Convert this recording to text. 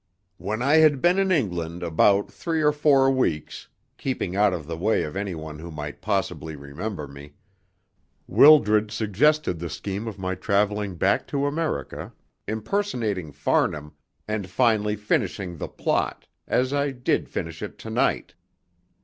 "When I had been in England about three or four weeks, keeping out of the way of anyone who might possibly remember me, Wildred suggested the scheme of my travelling back to America, impersonating Farnham, and finally finishing the plot, as I did finish it to night.